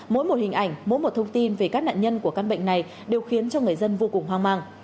mỗi một hình ảnh mỗi một thông tin về các nạn nhân của căn bệnh này đều khiến cho người dân vô cùng hoang mang